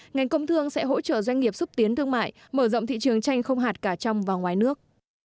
ngành công thương sẽ hỗ trợ doanh nghiệp xúc tiến thương mại mở rộng thị trường tranh không hạt cả trong và ngoài nước